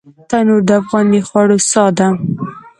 تنور د افغاني خوړو ساه ده